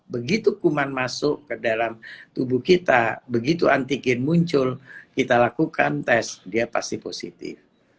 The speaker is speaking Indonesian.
begitu kuman masuk ke dalam tubuh kita begitu antigen muncul kita lakukan tes dia pasti positif